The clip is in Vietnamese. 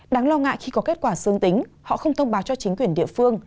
đáng lo ngại khi có kết quả dương tính họ không thông báo cho chính quyền địa phương